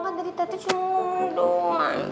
kan tadi tadi cuman doang